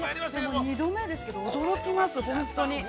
２度目ですけど、驚きます、本当に。